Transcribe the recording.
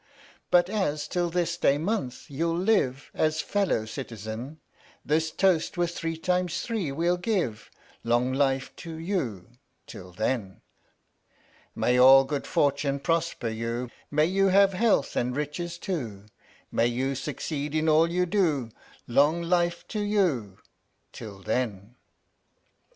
But as till this day month you'll live As fellow citizen, This toast with three times three we'll give " Long life to you till then !" May all good fortune prosper you, May you have health and riches too, May you succeed in all you do Long life to you till then !